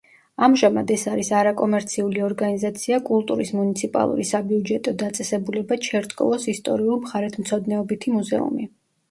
ამჟამად ეს არის არაკომერციული ორგანიზაცია „კულტურის მუნიციპალური საბიუჯეტო დაწესებულება ჩერტკოვოს ისტორიულ-მხარეთმცოდნეობითი მუზეუმი“.